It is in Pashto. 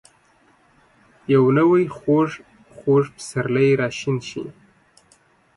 یو نوی ،خوږ. خوږ پسرلی راشین شي